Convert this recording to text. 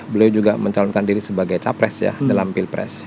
beliau juga mencalonkan diri sebagai capres ya dalam pilpres